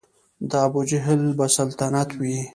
د ابوجهل به سلطنت وي